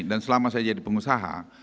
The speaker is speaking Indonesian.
selama saya jadi pengusaha